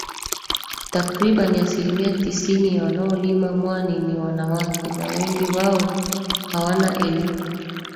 Takriban asilimia tisini ya wanaolima mwani ni wanawake na wengi wao hawana elimu